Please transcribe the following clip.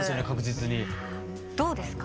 どうですか？